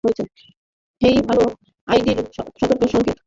হেই, ভালো আইডিয়ার সতর্ক সংকেত।